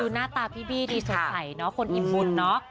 หน้าตาพี่บี้ดีสดใสเนาะคนอิ่มบุญเนอะ